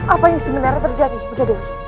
apa yang sebenarnya terjadi bunda dewi